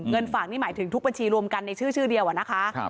ฝากนี่หมายถึงทุกบัญชีรวมกันในชื่อชื่อเดียวอะนะคะ